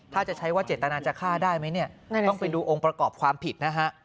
ถ้าจะใช้ว่าเจตนาจะฆ่าได้ไหมเนี่ยต้องไปดูองค์ประกอบความผิดนะฮะ